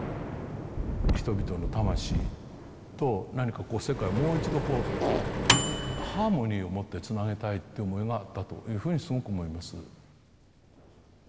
人々の魂と何か世界をもう一度ハーモニーをもってつなげたいって思いがあったというふうにすごく思います。